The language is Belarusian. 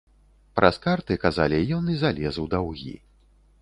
Праз карты, казалі, ён і залез у даўгі.